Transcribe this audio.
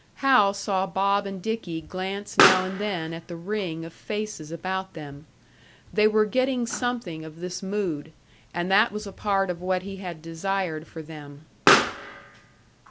Hal saw Bob and Dicky glance now and then at the ring of faces about them; they were getting something of this mood, and that was a part of what he had desired for them.